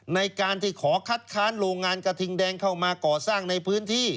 ในการที่ขอคัดค้านโรงงานกระทิงแดงเข้ามาก่อสร้างในพื้นที่